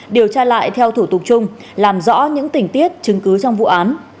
điều tra lại theo thủ tục chung làm rõ những tình tiết chứng cứ trong vụ án